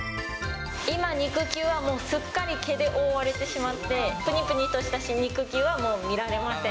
今、肉球はもうすっかり毛で覆われてしまって、ぷにぷにとした肉球はもう見られません。